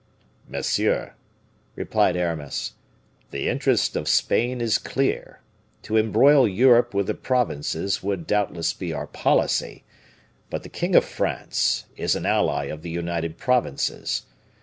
"Monsieur," replied Aramis, "the interest of Spain is clear. To embroil Europe with the Provinces would doubtless be our policy, but the king of France is an ally of the United Provinces.